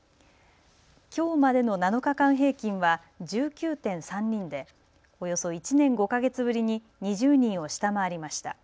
きょうまでの７日間平均は１９．３人でおよそ１年５か月ぶりに２０人を下回りました。